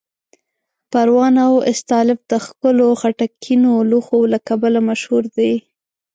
پروان او استالف د ښکلو خټینو لوښو له کبله مشهور دي.